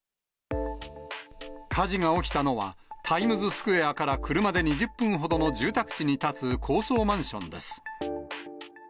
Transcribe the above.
火事が起きたのは、タイムズスクエアから車で２０分ほどの住宅地に建つ高層マンションです。